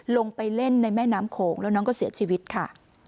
ลงไปเล่นในแม่น้ำโขงแล้วน้องก็เสียชีวิตค่ะ